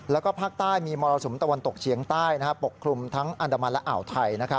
แล้วก็ภาคใต้มีมรสุมตะวันตกเฉียงใต้ปกคลุมทั้งอันดามันและอ่าวไทย